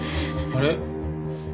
あれ？